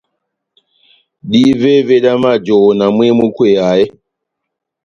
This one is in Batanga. Dívévé dá majohó na mwehé múkweyaha eeeh ?